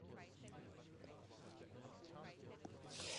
In his research he has mainly studied thrombosis and hemostasis.